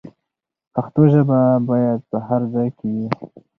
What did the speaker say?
پښتو ژبه باید په هر ځای کې وي.